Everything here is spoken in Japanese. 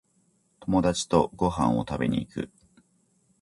友達とご飯を食べに行く